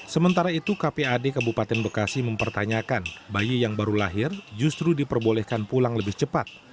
sementara itu kpad kabupaten bekasi mempertanyakan bayi yang baru lahir justru diperbolehkan pulang lebih cepat